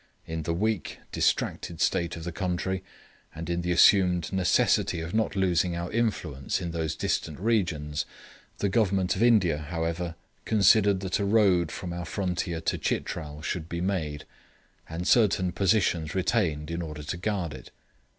In the weak, distracted state of the country, and in the assumed necessity of not losing our influence in those distant regions, the Government of India, however, considered that a road from our frontier to Chitral should be made, and certain positions retained in order to guard it.